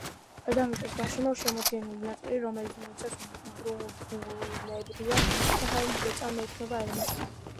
დედამიწის გარემოს შემადგენელი ნაწილი, რომელიც მოიცავს ბუნებრივად და ხელოვნურად წარმოქმნილ ელემენტებს